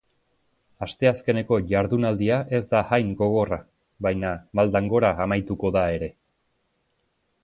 Asteazkeneko jardunaldia ez da hain gogorra, baina maldan gora amaituko da ere.